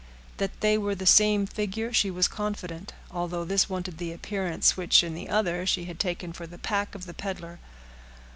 That they were the same figure she was confident, although this wanted the appearance which, in the other, she had taken for the pack of the peddler.